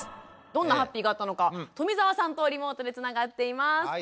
どんなハッピーがあったのか冨澤さんとリモートでつながっています。